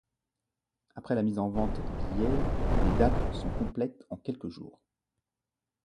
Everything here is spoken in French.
Après la mise en vente des billets, les dates sont complètes en quelques jours.